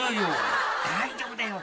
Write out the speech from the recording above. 大丈夫だよ。